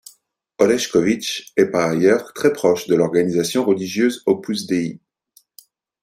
Orešković est par ailleurs très proche de l’organisation religieuse Opus Dei.